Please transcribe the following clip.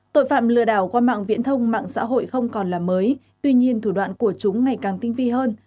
tội phạm lừa đảo qua mạng viễn thông mạng xã hội không còn là mới tuy nhiên thủ đoạn của chúng ngày càng tinh vi hơn